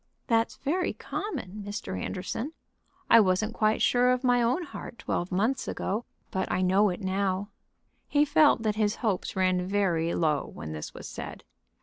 "That's very common, Mr. Anderson. I wasn't quite sure of my own heart twelve months ago, but I know it now." He felt that his hopes ran very low when this was said.